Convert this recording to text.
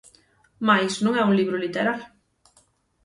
Mais non é un libro literal.